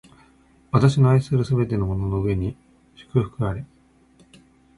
私の愛するすべてのものの上に祝福あれ！